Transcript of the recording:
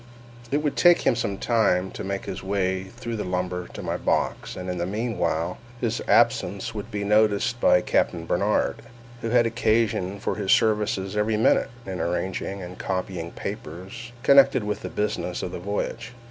It would take him some time to make his way through the lumber to my box, and in the meanwhile his absence would be noticed by Captain Barnard, who had occasion for his services every minute, in arranging and copying papers connected with the business of the voyage.